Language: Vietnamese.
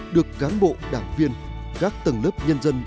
được cán bộ đảng viên các tầng lớp nhân dân